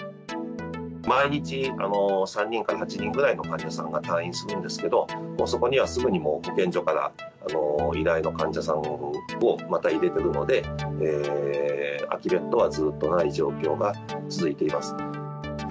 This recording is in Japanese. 毎日３人から８人ぐらいの患者さんが退院するんですけど、そこにはすぐにもう、保健所から依頼の患者さんをまた入れてるので、空きベッドはずっとない状況が続いています。